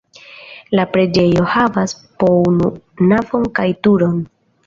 La preĝejo havas po unu navon kaj turon.